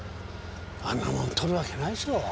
あんなもん盗るわけないでしょう。